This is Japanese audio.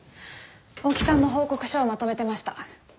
大木さんの報告書をまとめてました。